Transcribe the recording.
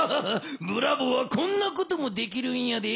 ブラボーはこんなこともできるんやで。